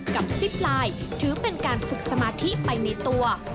ซิปไลน์ถือเป็นการฝึกสมาธิไปในตัว